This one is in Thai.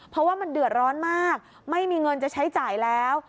เพราะว่ามันเดือดร้อนมากไม่มีเงินจะใช้จ่ายแล้ว